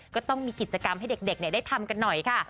ก็ต้องมีกิจกรรมให้เด็กได้ทำกันหน่อยค่ะ